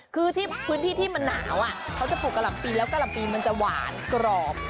คือพื้นที่ที่มะหนาวเขาจะปลูกกะหล่ำปีแล้วกลับปีมันจะหวานกรอบอร่อย